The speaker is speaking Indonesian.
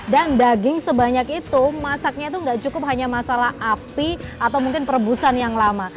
dan daging sebanyak itu masaknya itu enggak cukup hanya masalah api atau mungkin perebusan yang lama